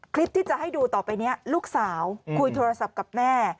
คลิปที่จะให้ดูต่อไปนี้ลูกสาวคุยโทรศัพท์กับแม่